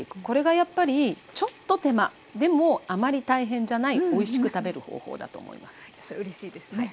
これがやっぱりちょっと手間でもあまり大変じゃないおいしく食べる方法だと思います。